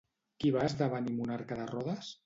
Qui va esdevenir monarca de Rodes?